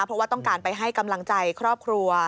เพราะว่าต้องการไปให้กำลังใจครอบครัว